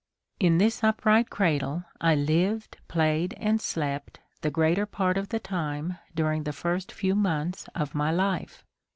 In this upright cradle I lived, played, and slept the greater part of the time during the first few months of my life.